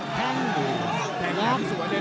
แท่งแท่งแท่งสวยเลย